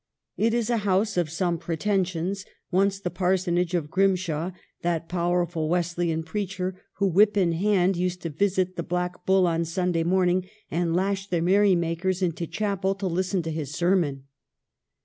It is a house of some pretensions, once the parsonage of Grimshaw, that powerful Wes leyan preacher who, whip in hand, used to visit the " Black Bull " on Sunday morning and lash the merrymakers into chapel to listen to his ser mon.